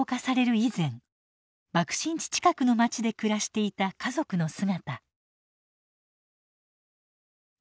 以前爆心地近くの街で暮らしていた家族の姿。